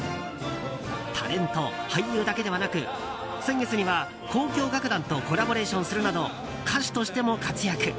タレント、俳優だけではなく先月には交響楽団とコラボレーションするなど歌手としても活躍。